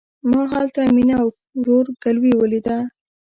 ما هلته مينه او ورور ګلوي وليده.